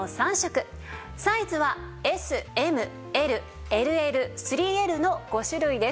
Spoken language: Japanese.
サイズはＳＭＬＬＬ３Ｌの５種類です。